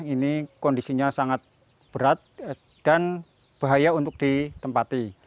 ini kondisinya sangat berat dan bahaya untuk ditempati